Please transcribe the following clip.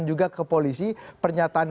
juga ke polisi pernyataan